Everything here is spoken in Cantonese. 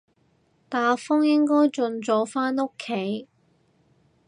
打風應該盡早返屋企